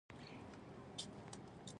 زه درته دا هر څه درکوم دا د خدای وعده ده.